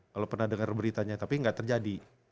kalau pernah dengar beritanya tapi nggak terjadi